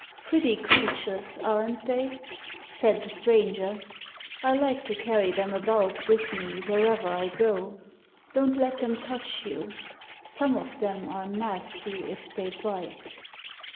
"Pretty creatures, aren't they?" said the stranger. " I like to carry them about with me wherever I go. Don't let them touch you. Some of them are nasty if they bite."